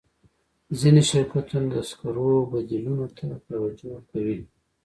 ځینې شرکتونه د سکرو بدیلونو ته توجه کوي.